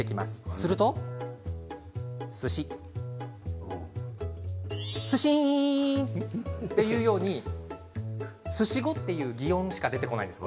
するとというようにすし語という擬音しか出てこないんです。